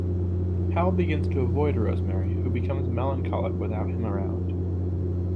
Hal begins to avoid Rosemary, who becomes melancholic without him around.